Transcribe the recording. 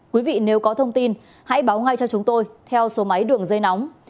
quý vị nếu có thông tin hãy báo ngay cho chúng tôi theo số máy đường dây nóng